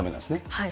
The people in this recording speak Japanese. はい。